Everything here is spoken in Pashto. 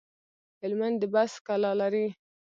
هلمند د بست کلا لري